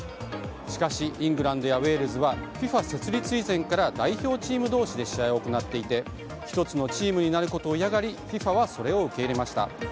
しかしイングランドやウェールズはＦＩＦＡ設立以前から代表チーム同士で試合を行っていて１つのチームになることを嫌がりＦＩＦＡはそれを受け入れました。